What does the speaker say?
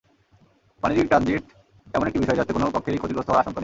বাণিজ্যিক ট্রানজিট এমন একটি বিষয়, যাতে কোনো পক্ষেরই ক্ষতিগ্রস্ত হওয়ার আশঙ্কা নেই।